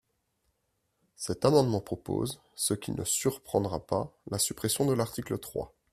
Cet amendement propose, ce qui ne surprendra pas, la suppression de l’article trois.